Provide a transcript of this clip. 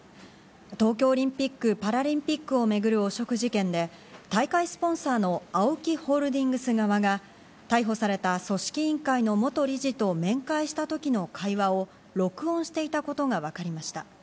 東京オリンピック・パラリンピックを巡る汚職事件で、大会スポンサーのＡＯＫＩホールディングス側が逮捕された組織委員会の元理事と面会した時の会話を録音していたことがわかりました。